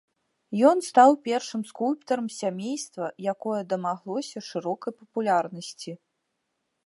Ён стаў першым скульптарам з сямейства, якое дамаглося шырокай папулярнасці.